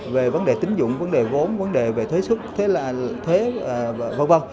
về vấn đề tính dụng vấn đề vốn vấn đề về thuế xuất thuế v v